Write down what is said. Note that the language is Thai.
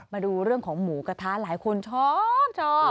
มาดูเรื่องของหมูกระทะหลายคนชอบชอบ